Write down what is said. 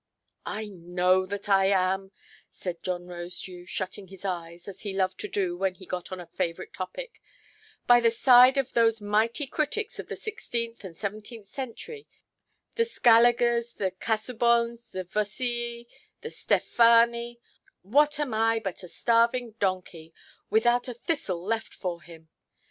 "I know that I am", said John Rosedew, shutting his eyes, as he loved to do when he got on a favourite topic; "by the side of those mighty critics of the sixteenth and seventeenth centuries—the Scaligers, the Casaubons, the Vossii, the Stephani,—what am I but a starving donkey, without a thistle left for him?